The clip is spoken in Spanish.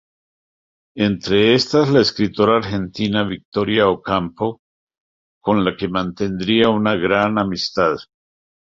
Entre estas, la escritora argentina Victoria Ocampo, con la que mantendría una gran amistad.